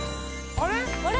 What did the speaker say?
あれ？